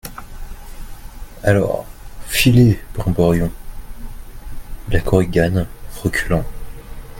Alors, filez, brimborion ! LA KORIGANE, reculant.